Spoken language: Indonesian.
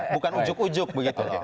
bukan ujuk ujuk begitu